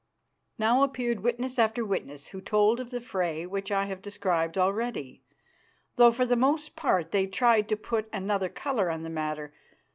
Now appeared witness after witness who told of the fray which I have described already, though for the most part they tried to put another colour on the matter.